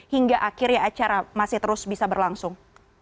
hingga akhirnya acara masih terus bisa berlangsung